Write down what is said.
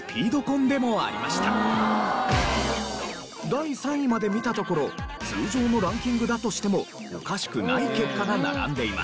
第３位まで見たところ通常のランキングだとしてもおかしくない結果が並んでいます。